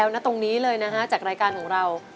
ณตรงนี้เลยนะฮะจากรายการของเรา